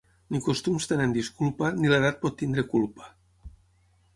Ni costums tenen disculpa, ni l'edat pot tenir culpa.